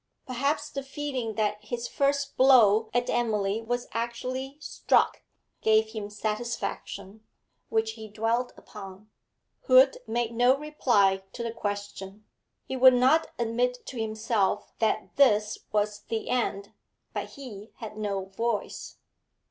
Perhaps the feeling that his first blow at Emily was actually struck gave him satisfaction, which he dwelt upon. Hood made no reply to the question. He would not admit to himself that this was the end, but he had no voice.